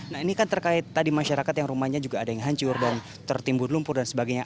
nah ini kan terkait tadi masyarakat yang rumahnya juga ada yang hancur dan tertimbun lumpur dan sebagainya